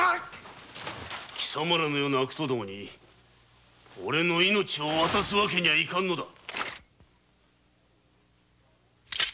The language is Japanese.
貴様らのような悪党どもにオレの命を渡す訳には行かんのだ。